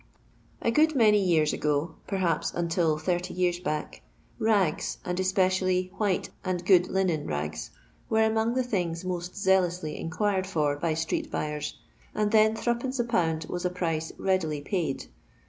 A good many years ago— perhaps until 80 yesn back — ragtf and especially white and good liaen rags, were among the things most aeiuoasly in quired for by street buyers, and then 8<{. a poond was a price readily paid.